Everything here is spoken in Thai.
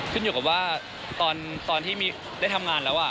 ขึ้นอยู่กับว่าตอนที่ได้ทำงานแล้ว